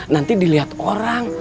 nanti dilihat orang